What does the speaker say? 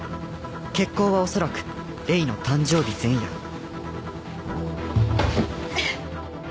「決行はおそらくレイの誕生日前夜」